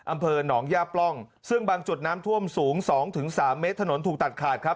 อำเภอหนองย่าปล้องซึ่งบางจุดน้ำท่วมสูง๒๓เมตรถนนถูกตัดขาดครับ